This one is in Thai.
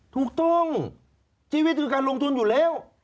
ถูกต้องชีวิตคือการลงทุนอยู่แล้ว